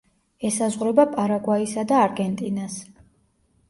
ესაზღვრება პარაგვაისა და არგენტინას.